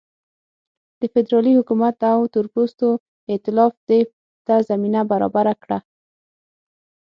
د فدرالي حکومت او تورپوستو اېتلاف دې ته زمینه برابره کړه.